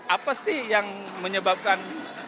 apa sih yang menyebabkan